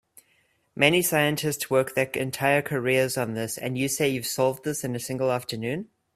Many scientists work their entire careers on this, and you say you have solved this in a single afternoon?